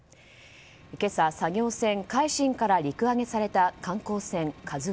今朝、作業船「海進」から陸揚げされた観光船「ＫＡＺＵ１」。